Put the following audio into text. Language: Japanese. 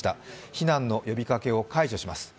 避難の呼びかけを解除します。